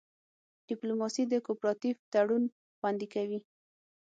ډیپلوماسي د کوپراتیف تړون خوندي کوي